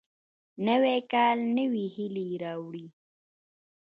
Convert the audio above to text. نوی کال نوې هیلې راوړي